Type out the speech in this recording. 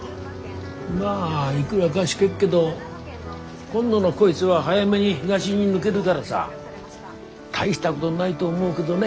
まあいくらかしけっけど今度のこいつは早めに東に抜げるからさ大したごどないと思うけどね